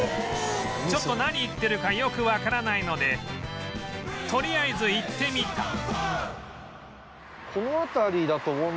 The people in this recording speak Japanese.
ちょっと何言ってるかよくわからないのでとりあえず行ってみた